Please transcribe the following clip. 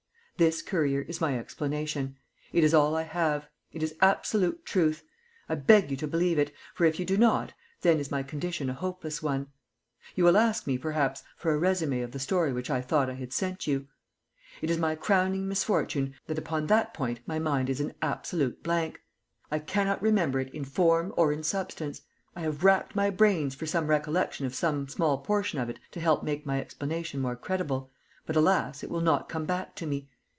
This, Currier, is my explanation. It is all I have. It is absolute truth. I beg you to believe it, for if you do not, then is my condition a hopeless one. You will ask me perhaps for a résumé of the story which I thought I had sent you. It is my crowning misfortune that upon that point my mind is an absolute blank. I cannot remember it in form or in substance. I have racked my brains for some recollection of some small portion of it to help to make my explanation more credible, but, alas! it will not come back to me.